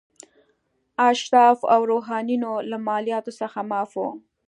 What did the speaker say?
اشراف او روحانیون له مالیاتو څخه معاف وو.